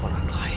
untuk hamba saya